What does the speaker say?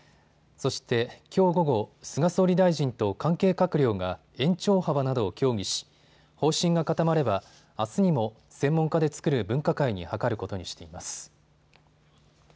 そしてきょう午後、菅総理大臣と関係閣僚が延長幅などを協議し方針が固まれば、あすにも専門家で作る分科会に諮ることにしています。